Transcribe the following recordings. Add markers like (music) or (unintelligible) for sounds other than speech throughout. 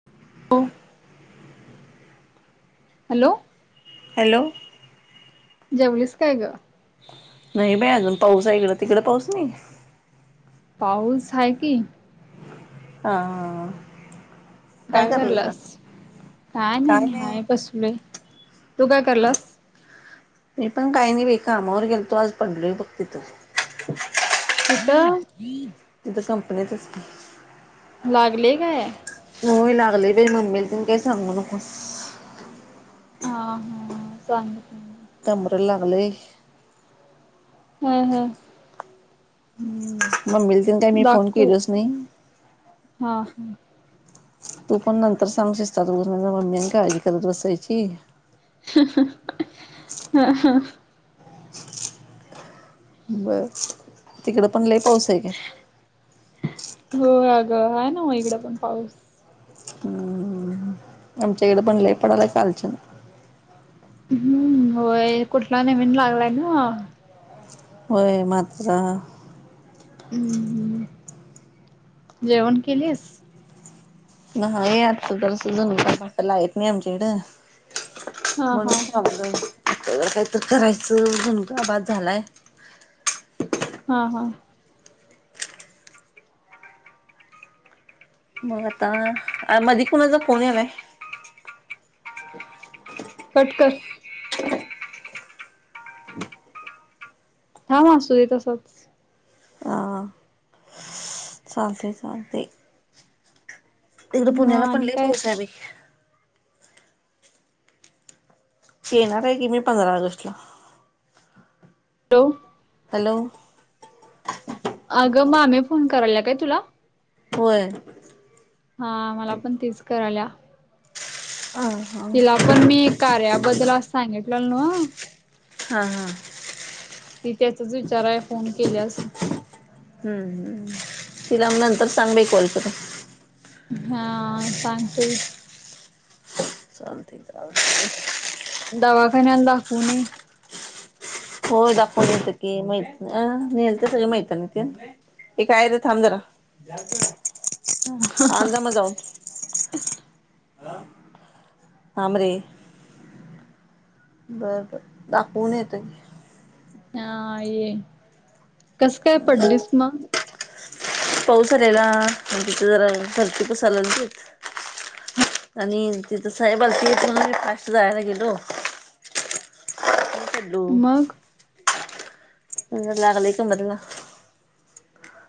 (unintelligible) Hello hello जेवलीस काय ग. नाही बाई अजून पाऊस आहे इकड. तिकड पाऊस नाही. पाऊस आहे की. हा हा हा काय कराल्यास काय नाही हाय बसलोय तू काय कराल्यास? मी पण काय नाही बाई कामावर गेलतो आज पडलोय बघ तिथं. कुठ? इत कंपनीतच की लागले काय? होय लागलय बाई मम्मीला तेन काय सांगू नकोस. हा हा, सांगत नाही. कंबरला लागलय हुं, हुं, मम्मीला तेन काय मी फोन दाखवू केलोच नाही. हा हा, तू पण नंतर सांग शिषतात उगचं नाहीतर मम्मी आणि काळजी करत बसायची. हा हा, बरं, तिकडं पण लई पाऊस आहे काय? होय आगं हाय नव्हं इकड पण पाऊस. आमच्याइकड पण लई पडालाय कालच्यान. हुं होय कुठला नवीन लागलाय नव्हं. होय मात्रा हुं हुं, जेवण केलीस? नाही आत् जरासं झुणका (unintelligible) लाईट नाही आमच्याइकड. हा म्हणून हा थांबलोय जरा कायतर करायचं झुणका भात झालाय. हा हा, मग आता मधी कुणाचा फोन यालाय? कट कर. थांब आसूदे तसचं. आ चालतय चालतय, हिकड मग पुण्याला पण आणि लई काय पाऊस हाय बाई. येणार आहे की मी पंधरा ऑगस्टला. हॅलो! हॅलो! आगं मामी फोन कराल्या काय तुला? व्हय. हा मला पण तीच करायल्या. हा. तिला पण मी कार्याबद्दल आस सांगिटल्यालो नव्हं. हा हा, ती त्याचाच विचाराय फोन केली आसलं. हुं हुं, तिला नंतर सांग बाई कॉल करतो. हा सांगतो घे. (inaudible) दवाखान्याला दाखवून ये. होय दाखवून येते की म इथन गेलतो सगळ मैत्रिणी तेन ये काय रे थांब जरा. आणजा म जाऊन थांब रे. बर बर दाखवून येतो घे. हा ये कस काय पडलीस मग पाऊस आलेला मंग तिथ जरा फरची पुसायला लावली ती आणि तिथं साहेब आलथी म्हणून मी फास्ट जायला गेलो हॅलो मग? (unintelligible)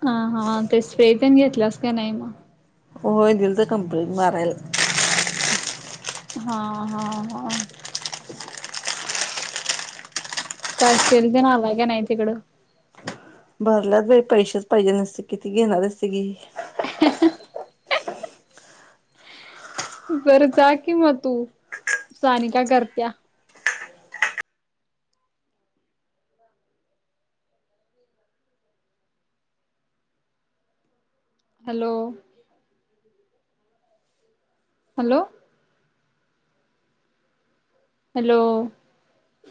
ह हा ते स्प्रे पण घेतलंस का नाही मग हो दिल तर कंपनीत मारायला हा हा हा काय सेलबिन आलय का नाही तिकडं भरल्यात बाई पैशेच पाहिजे नसते किती घेणार असते की (unintelligible) (inaudible) बर जा कि म तू साणी का करत्या हॅलो हॅलो हॅलो